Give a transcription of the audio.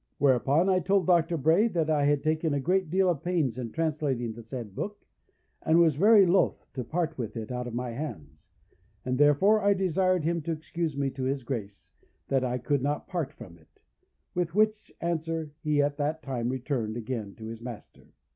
"Whereupon I told Dr. Bray that I had taken a great deal of pains in translating the said book, and was very loth to part with it out of my hands, and therefore I desired him to excuse me to his Grace, that I could not part from it; with which answer he at that time returned again to his master.